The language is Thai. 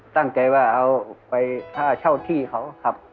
ตั้งใจว่าเอาไปค่าเช่าที่เขาครับ